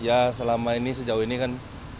ya selama ini sejauh ini kan